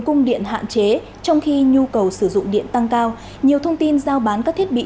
cung điện hạn chế trong khi nhu cầu sử dụng điện tăng cao nhiều thông tin giao bán các thiết bị